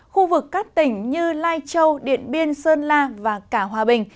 khu vực các tỉnh như lai châu điện biên sơn la và cả hòa bình